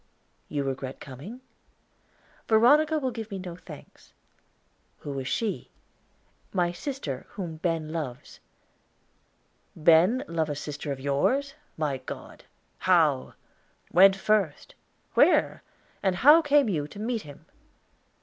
"You regret coming?" "Veronica will give me no thanks." "Who is she?" "My sister, whom Ben loves." "Ben love a sister of yours? My God how? when first? where? And how came you to meet him?"